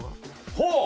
ほう！